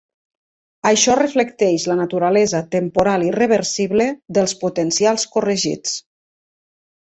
Això reflecteix la naturalesa temporal i reversible dels potencials corregits.